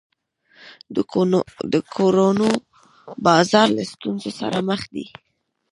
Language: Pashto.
د کورونو بازار له ستونزو سره مخ دی.